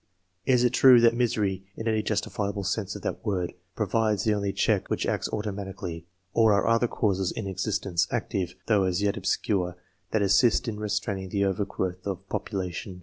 Is it true that misery, in any justifiable sense of that word, provides the only check which acts automatically, or are other causes in existence, active, though as yet obscure, that assist in re straining the overgrowth of population